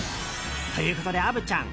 ということで、虻ちゃん